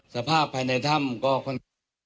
สภาพภายในถ้ำก็ค่อนข้าง